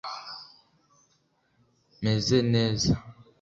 Meze neza